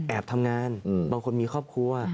ทำงานบางคนมีครอบครัว